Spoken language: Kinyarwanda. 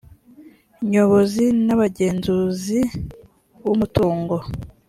nyobozi n abagenzuzi b umutungo